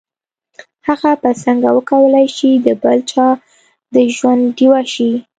هغه به څنګه وکولای شي د بل چا د ژوند ډيوه شي.